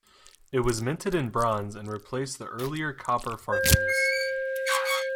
It was minted in bronze, and replaced the earlier copper farthings.